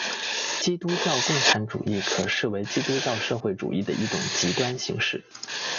基督教共产主义可视为基督教社会主义的一种极端形式。